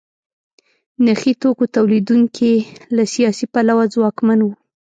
نخي توکو تولیدوونکي له سیاسي پلوه ځواکمن وو.